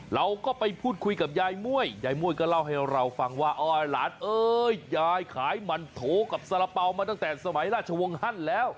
เราก็ไปพูดคุยกับยายม่วยยายม่วยก็เล่าให้เราฟังว่าหลานเอ้ยยายขายมันโถกับสาระเป๋ามาตั้งแต่สมัยราชวงศ์ฮั่นแล้ว